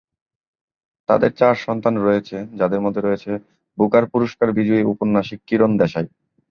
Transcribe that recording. তাদের চার সন্তান রয়েছে, যাদের মধ্যে রয়েছে বুকার পুরস্কার বিজয়ী উপন্যাসিক কিরণ দেশাই।